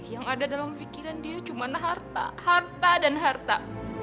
yang ada dalam pikiran dia cuma harta harta dan harta